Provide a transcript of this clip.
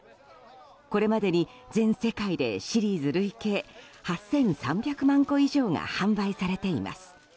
これまでに全世界でシリーズ累計８３００万個以上が販売されています。